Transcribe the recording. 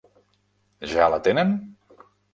Ja l'atenen?